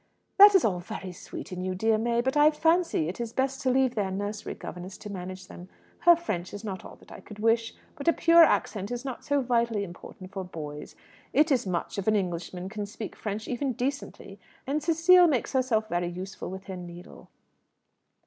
"That is all very sweet in you, dear May, but I fancy it is best to leave their nursery governess to manage them. Her French is not all that I could wish. But a pure accent is not so vitally important for boys. It is much if an Englishman can speak French even decently. And Cecile makes herself very useful with her needle."